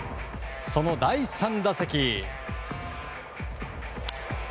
その第３打席。